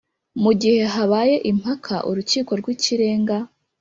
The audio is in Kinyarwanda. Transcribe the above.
Mu gihe habaye impaka Urukiko rw Ikirenga